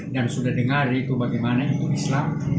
dan sudah dengar itu bagaimana itu islam